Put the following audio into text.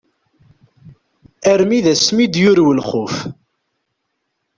Armi d asmi d-yurew lxuf.